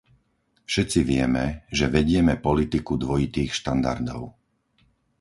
Všetci vieme, že vedieme politiku dvojitých štandardov.